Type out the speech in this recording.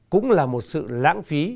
cũng là một sự lãng phí